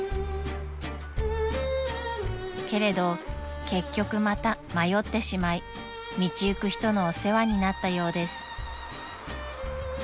［けれど結局また迷ってしまい道行く人のお世話になったようです］